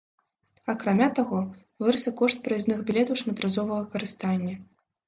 Акрамя таго, вырас і кошт праязных білетаў шматразовага карыстання.